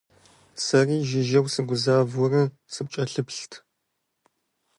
Сэри жыжьэу сыгузавэурэ сыпкӀэлъыплъырт.